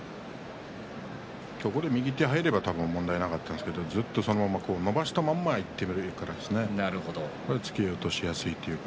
右手が入れば問題なかったんですが、ずっと伸ばしたままいっているので突き落としやすいというか。